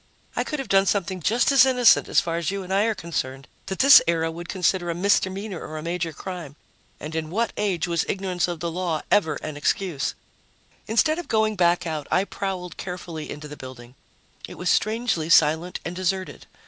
I could have done something just as innocent, as far as you and I are concerned, that this era would consider a misdemeanor or a major crime. And in what age was ignorance of the law ever an excuse? Instead of going back out, I prowled carefully into the building. It was strangely silent and deserted.